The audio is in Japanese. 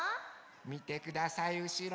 みてくださいうしろ！